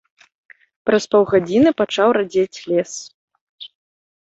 Праз паўгадзіны пачаў радзець лес.